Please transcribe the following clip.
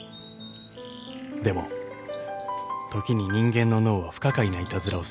［でも時に人間の脳は不可解ないたずらをする］